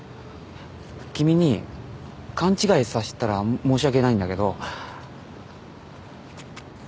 君に勘違いさしたら申し訳ないんだけど。